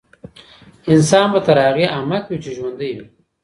انسان به تر هغې احمق وي چي ژوندی وي.